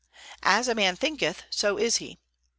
"As a man thinketh, so is he."